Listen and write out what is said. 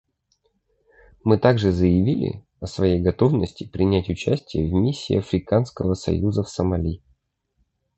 Мы также заявили о своей готовности принять участие в Миссии Африканского союза в Сомали.